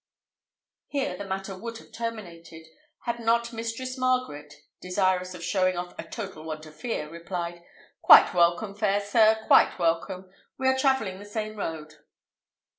Here the matter would have terminated, had not Mistress Margaret, desirous of showing off a total want of fear, replied, "Quite welcome, fair sir, quite welcome. We are travelling the same road."